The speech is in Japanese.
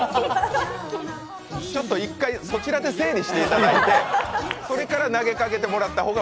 ちょっと１回そちらで整理していただいてそれから投げかけてもらった方が。